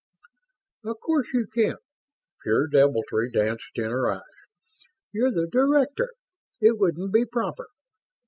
"Of course you can't." Pure deviltry danced in her eyes. "You're the Director. It wouldn't be proper.